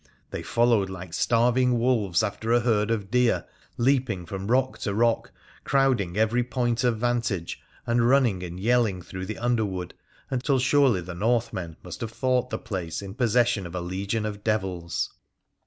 They followed like starving wolves after a herd of deer, leaping from rock to rock, crowding every point of vantage, and running and yelling through the under wood until surely the Northmen must have thought the place in possession of a legion of devils.